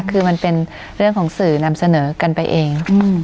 คือมันเป็นเรื่องของสื่อนำเสนอกันไปเอง